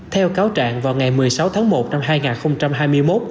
theo cáo trạng vào ngày một mươi sáu tháng một năm hai nghìn hai mươi một